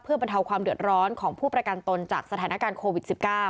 บรรเทาความเดือดร้อนของผู้ประกันตนจากสถานการณ์โควิด๑๙